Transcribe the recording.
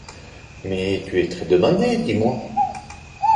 Mais tu es très demandée, dis-moi…